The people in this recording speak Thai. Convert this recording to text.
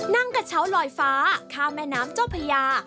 นั่งกระเช้าลอยฟ้าข้ามแม่น้ำเจ้าพญา